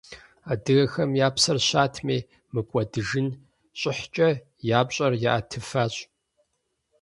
Адыгэхэм я псэр щатми, мыкӀуэдыжын щӀыхькӀэ я пщӀэр яӀэтыфащ.